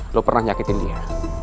lo pernah nyakitin dia